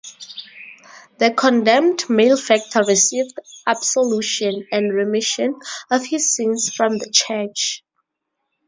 The condemned malefactor received absolution and remission of his sins from the Church.